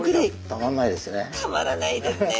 たまらないですね。